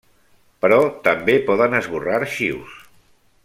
Però també poden esborrar arxius.